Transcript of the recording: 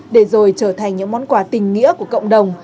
để rồi trở thành những món quà tình nghĩa của cộng đồng